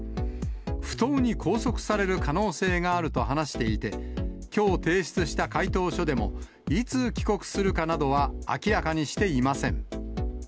不当に拘束される可能性があると話していて、きょう提出した回答書でも、いつ帰国するかなどは明らかにしていません。